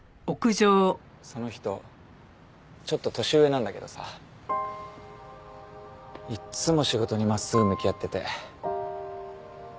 その人ちょっと年上なんだけどさいっつも仕事に真っすぐ向き合ってて。